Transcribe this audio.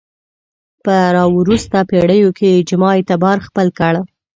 په راوروسته پېړیو کې اجماع اعتبار خپل کړ